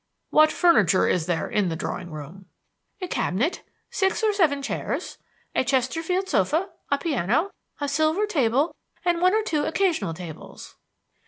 "What furniture is there in the drawing room?" "A cabinet, six or seven chairs, a Chesterfield sofa, a piano, a silver table, and one or two occasional tables."